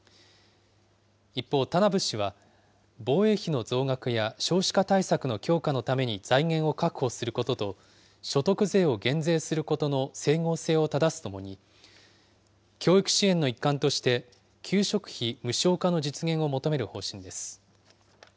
一方、田名部氏は、防衛費の増額や少子化対策の強化のために財源を確保することと、所得税を減税することの整合性をただすとともに、教育支援の一環として、給食費無償化の実現を求める方針です。